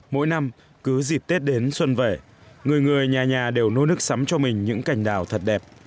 mỗi năm cứ dịp tết đến xuân về người người nhà nhà đều nô nức sắm cho mình những cảnh đảo thật đẹp